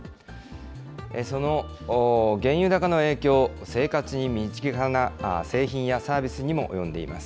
その原油高の影響、生活に身近な製品やサービスにも及んでいます。